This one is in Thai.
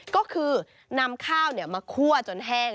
ก็คือนำข้าวมาคั่วจนแห้ง